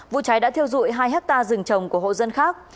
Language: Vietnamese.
vụ cháy đã thiêu dụi hai hectare rừng trồng của hộ dân khác